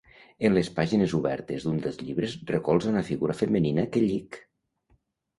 En les pàgines obertes d’un dels llibres recolza una figura femenina que llig.